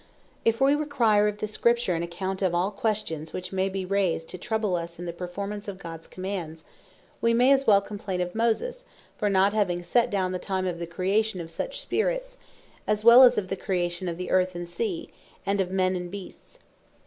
If wee require of the Scripture an account of all questions, which may be raised to trouble us in the performance of Gods commands; we may as well complaine of Moses for not having set downe the time of the creation of such Spirits, as well as of the Creation of the Earth, and Sea, and of Men, and Beasts.